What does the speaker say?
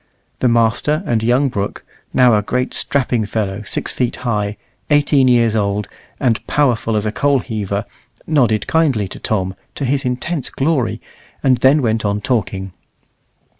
The master and young Brooke, now a great strapping fellow six feet high, eighteen years old, and powerful as a coal heaver, nodded kindly to Tom, to his intense glory, and then went on talking.